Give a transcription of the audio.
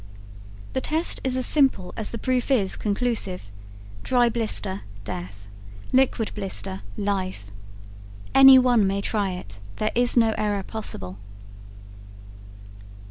The test is as simple as the proof is conclusive. Dry blister: death. Liquid blister: life. Any one may try it; there is no error possible.